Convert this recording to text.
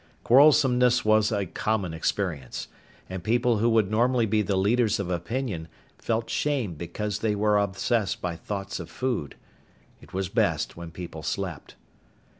Quarrelsomeness was a common experience. And people who would normally be the leaders of opinion felt shame because they were obsessed by thoughts of food. It was best when people slept.